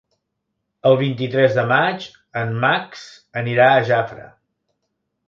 El vint-i-tres de maig en Max anirà a Jafre.